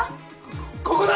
・こここだ！